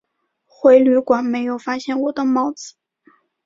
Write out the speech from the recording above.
回旅馆没有发现我的帽子